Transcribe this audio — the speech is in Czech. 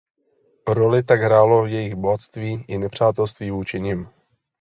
Roli tak hrálo jejich bohatství i nepřátelství vůči nim.